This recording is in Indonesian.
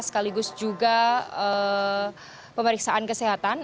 sekaligus juga pemeriksaan kesehatan